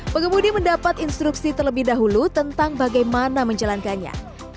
pengemudi mendapat instruksi terlebih dahulu tentang bagaimana menjalankannya